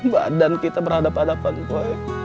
badan kita berhadapan hadapan kok